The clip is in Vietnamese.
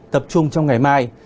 tập trung trong ngày mai